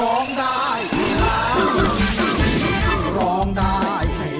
ต้องเริ่มร้องด้ายให้ร้อน